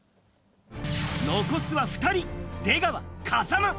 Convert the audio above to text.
残すは２人、出川、風間。